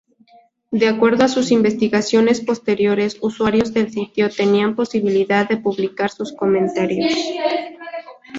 De acuerdo a investigaciones posteriores, usuarios del sitio tenían posibilidad de publicar sus comentarios.